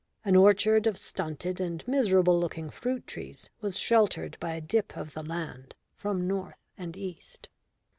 An orchard of stunted and miserable looking fruit trees was sheltered by a dip of the land from north and east.